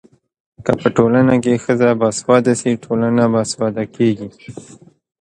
که په ټولنه کي ښځه باسواده سي ټولنه باسواده کيږي.